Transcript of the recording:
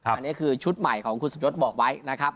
อันนี้คือชุดใหม่ของคุณสมยศบอกไว้นะครับ